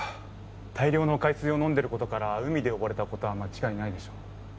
大量の海水を飲んでる事から海で溺れた事は間違いないでしょう。